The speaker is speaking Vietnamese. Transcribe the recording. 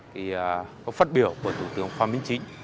cái phát biểu của thủ tướng khoa minh chính